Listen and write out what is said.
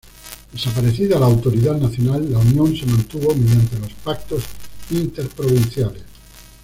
Desaparecida la autoridad nacional, la unión se mantuvo mediante los pactos interprovinciales.